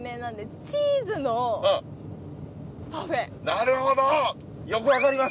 なるほど！